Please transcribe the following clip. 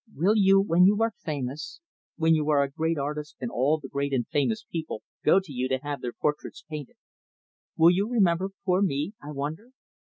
"Will you, when you are famous when you are a great artist and all the great and famous people go to you to have their portraits painted will you remember poor me, I wonder?"